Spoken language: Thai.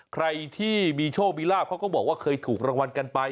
ใครที่มีโชคมีลาบเขาก็บอกว่าเคยถูกรางวัลกันไป